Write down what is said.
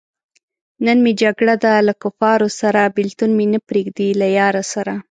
نن مې جګړه ده له کفاره سره- بېلتون مې نه پریېږدی له یاره سره